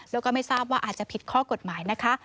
แล้วก็ไม่ทราบว่าอาจจะผิดข้อกฎหมายนะคะ